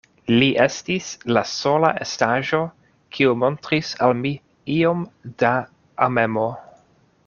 Li estis la sola estaĵo, kiu montris al mi iom da amemo.